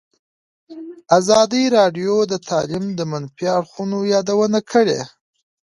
ازادي راډیو د تعلیم د منفي اړخونو یادونه کړې.